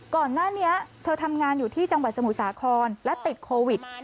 ก่อนหน้านี้เธอทำงานอยู่ที่จังหวัดสมุทรสาครและติดโควิด